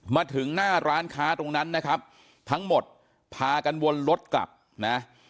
มาถึงหน้าร้านค้าตรงนั้นนะครับทั้งหมดพากันวนรถกลับนะ